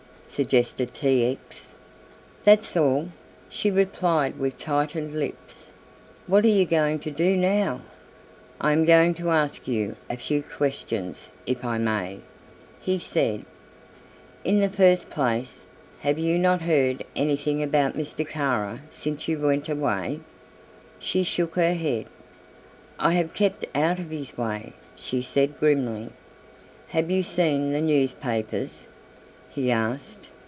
suggested T. X. "That's all," she replied with tightened lips; "what are you going to do now?" "I am going to ask you a few questions if I may," he said. "In the first place have you not heard anything about Mr. Kara since you went away?" She shook her head. "I have kept out of his way," she said grimly. "Have you seen the newspapers?" he asked.